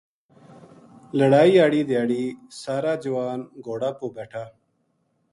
لڑائی ہاڑی دھیاڑی سارا جوان گھوڑاں پو بیٹھا